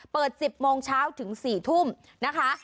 เปิดจิบโมงเช้าถึงสี่ทุ่มนะคะ